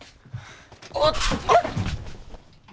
あっ！